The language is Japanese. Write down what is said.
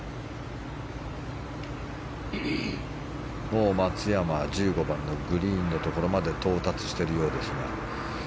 もう松山は１５番のグリーンのところまで到達しているようですが。